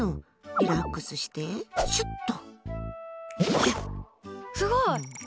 リラックスして、シュッと。